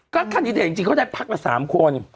ก็แคนดิเดตจริงเขาได้พักละ๓คน